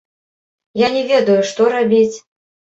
Я не ведаю, што рабіць?